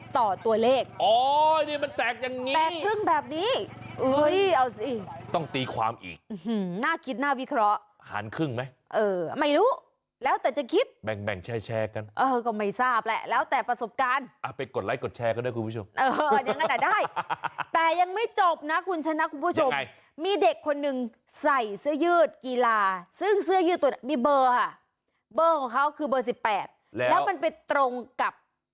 ต้องตีความอีกน่าคิดน่าวิเคราะหารครึ่งไหมไม่รู้แล้วแต่จะคิดแบ่งแชร์กันก็ไม่ทราบแหละแล้วแต่ประสบการณ์ไปกดไลค์กดแชร์ก็ได้คุณผู้ชมแต่ยังไม่จบนะคุณชนะคุณผู้ชมมีเด็กคนหนึ่งใส่เสื้อยืดกีฬาซึ่งเสื้อยืดตัวนั้นมีเบอร์เบอร์ของเขาคือเบอร์๑๘แล้วมันไปตรงกั